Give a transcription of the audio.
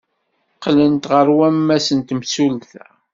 Qqlent ɣer wammas n temsulta.